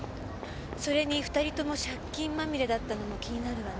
それに２人とも借金まみれだったのも気になるわね。